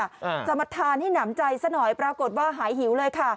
อ่าจะมาทานให้หนำใจซะหน่อยปรากฏว่าหายหิวเลยค่ะ